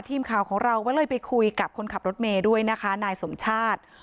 ทีมข่าวของเราก็เลยไปคุยกับคนขับรถเมย์ด้วยนะคะนายสมชาติ